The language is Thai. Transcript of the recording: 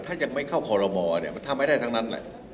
ถ้ายังไม่เข้าข้อลมทำให้ได้ทั้งนั้น